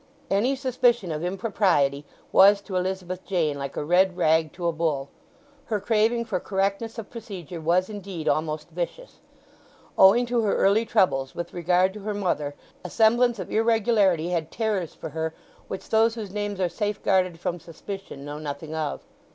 Any suspicion of impropriety was to Elizabeth Jane like a red rag to a bull. Her craving for correctness of procedure was, indeed, almost vicious. Owing to her early troubles with regard to her mother a semblance of irregularity had terrors for her which those whose names are safeguarded from suspicion know nothing of.